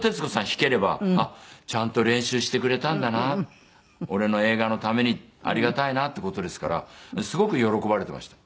弾ければあっちゃんと練習してくれたんだな俺の映画のためにありがたいなっていう事ですからすごく喜ばれていました。